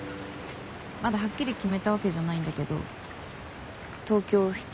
まだはっきり決めたわけじゃないんだけど東京を引き払おうかと思う。